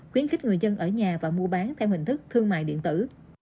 khuyến khích người dân ở nhà và mua bán theo hình thức thương mại điện tử